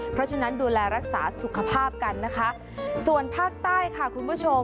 เพราะฉะนั้นดูแลรักษาสุขภาพกันนะคะส่วนภาคใต้ค่ะคุณผู้ชม